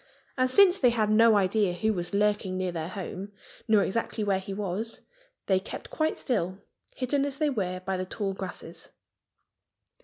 And since they had no idea who was lurking near their home nor exactly where he was, they kept quite still, hidden as they were by the tall grasses.